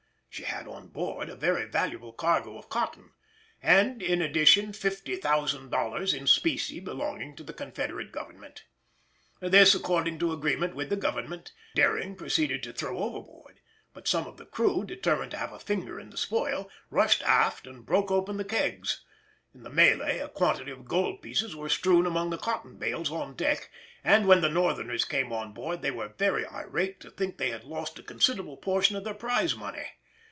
She had on board a very valuable cargo of cotton, and in addition $50,000 in specie belonging to the Confederate Government; this, according to agreement with the Government, Doering proceeded to throw overboard, but some of the crew, determined to have a finger in the spoil, rushed aft and broke open the kegs. In the mêlée a quantity of gold pieces were strewn among the cotton bales on deck, and when the Northerners came on board they were very irate to think they had lost a considerable portion of their prize money.